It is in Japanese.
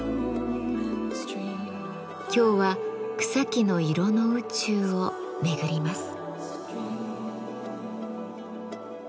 今日は「草木の色の宇宙」を巡ります。